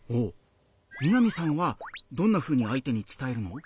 みなみさんはどんなふうに相手に伝えるの？